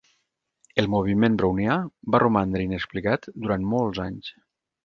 El moviment brownià va romandre inexplicat durant molts anys.